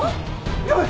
やばい！